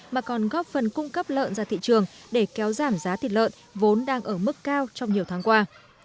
mà còn góp phần cung cấp lợn ra thị trường để kéo giảm giá thịt lợn vốn đang ở mức cao trong nhiều tháng qua